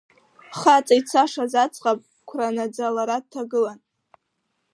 Хаҵа ицашаз аӡӷаб қәра наӡа лара дҭагылан.